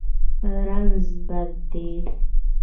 رنځ بد دی.